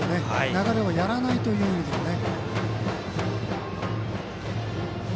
流れをやらないという意味でもね。